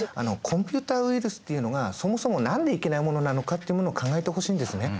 コンピュータウイルスっていうのがそもそも何でいけないものなのかっていうものを考えてほしいんですね。